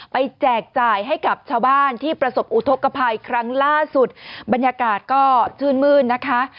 แจกจ่ายให้กับชาวบ้านที่ประสบอุทธกภัยครั้งล่าสุดบรรยากาศก็ชื่นมื้นนะคะ